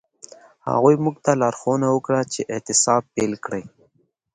هغوی موږ ته لارښوونه وکړه چې اعتصاب پیل کړئ.